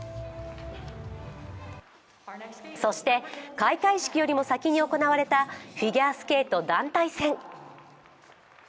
そして、開会式よりも先に行われたフィギュアスケート団体戦。